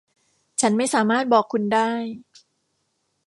ฉันไม่สามารถบอกคุณได้.